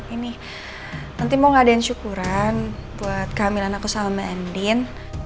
ini nanti mau ngadain syukuran buat kehamilan aku sama ending